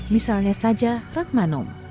misalnya saja raghmanom